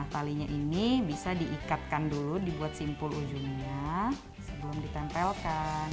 talinya ini bisa diikatkan dulu dibuat simpul ujungnya sebelum ditempelkan